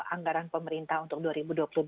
anggaran pemerintah untuk dua ribu dua puluh dua